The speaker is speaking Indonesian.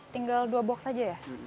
tinggal dua box saja ya